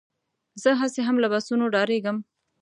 زه هسې هم له بسونو ډارېږم.